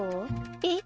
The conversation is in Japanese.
えっ？